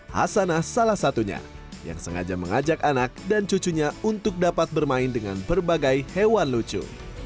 hasanah salah satunya yang sengaja mengajak anak dan cucunya untuk dapat bermain dengan berbagai hewan lucu